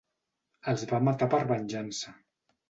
Els va matar per venjança.